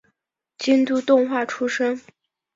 京都动画出身。